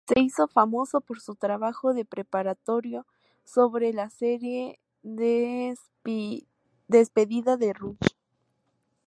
Se hizo famoso por su trabajo preparatorio sobre la serie "Despedida de Rus".